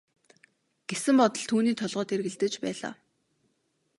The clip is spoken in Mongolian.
гэсэн бодол түүний толгойд эргэлдэж байлаа.